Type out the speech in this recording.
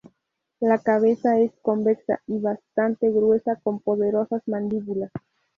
La cabeza es convexa y bastante gruesa con poderosas mandíbulas.